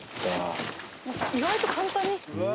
意外と簡単に。